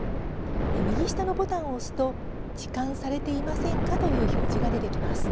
右下のボタンを押すと「ちかんされていませんか？」という表示が出てきます。